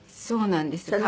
そうなんです。